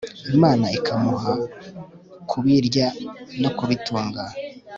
imana ikamuha kubirya no kubitunga